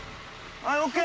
はいＯＫ！